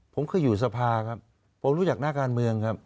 ผมเคยอยู่สภาครับผมรู้จักหน้าการเมืองครับ